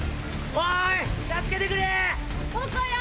おい！